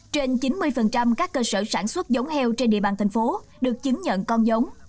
trên chín mươi các cơ sở sản xuất giống heo trên địa bàn thành phố được chứng nhận con giống